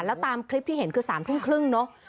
แล้วตามคลิปที่เห็นคือ๓ทุ่มครึ่งเนอะ